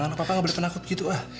kenapa papa gak boleh penakut gitu ah